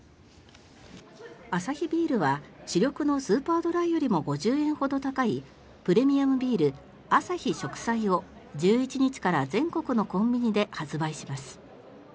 アサヒビールは主力のスーパードライよりも５０円ほど高いプレミアムビール、アサヒ食彩を１１日から全国のコンビニで発売します。